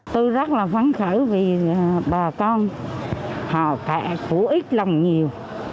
tôi rất là vắng khởi vì bà con họ khổ ít lòng nhiều